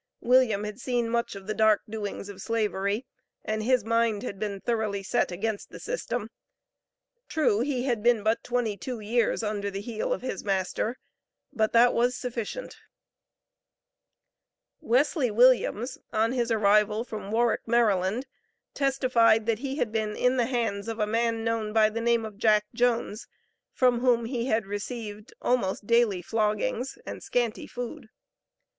William had seen much of the dark doings of Slavery, and his mind had been thoroughly set against the system. True, he had been but twenty two years under the heel of his master, but that was sufficient. Wesley Williams, on his arrival from Warrick, Maryland, testified that he had been in the hands of a man known by the name of Jack Jones, from whom he had received almost daily floggings and scanty food.